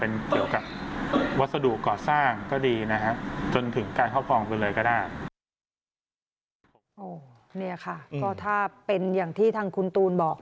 นี่ค่ะก็ถ้าเป็นอย่างที่ทางคุณตูนบอก